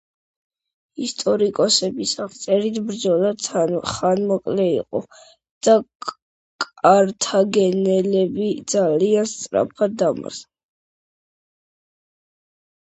ისტორიკოსების აღწერით ბრძოლა ხანმოკლე იყო და კართაგენელები ძალიან სწრაფად დამარცხდნენ.